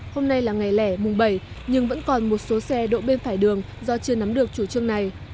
hôm nay là ngày lẻ mùng bảy nhưng vẫn còn một số xe độ bên phải đường do chưa nắm được chủ trương này